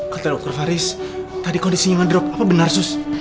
kata dokter faris tadi kondisinya ngedrop apa benar sus